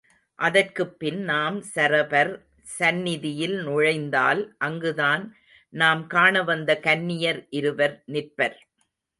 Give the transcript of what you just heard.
அதற்குப் பின் நாம் சரபர் சந்நிதியில் நுழைந்தால் அங்குதான் நாம் காணவந்த கன்னியர் இருவர் நிற்பர்.